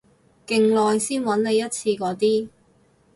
勁耐先搵你一次嗰啲